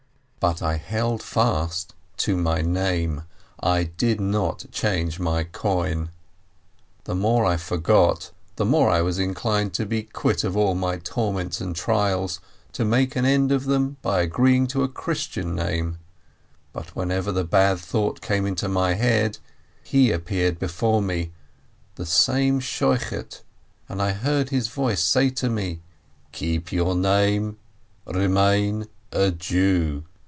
But I held fast to my name ! I did not change my coin. The more I forgot, the more I was inclined to be quit of my torments and trials — to make an end of them by agreeing to a Christian name, but whenever the bad thought came into my head, he appeared before me, the same Shochet, and I heard his voice say to me, "Keep your name, remain a Jew!"